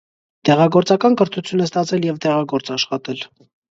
Դեղագործական կրթություն է ստացել և դեղագործ աշխատել։